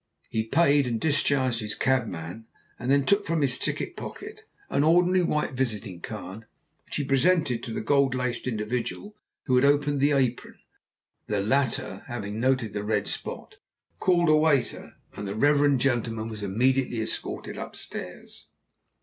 He paid and discharged his cabman, and then took from his ticket pocket an ordinary white visiting card, which he presented to the gold laced individual who had opened the apron. The latter, having noted the red spot, called a waiter, and the reverend gentleman was immediately escorted upstairs.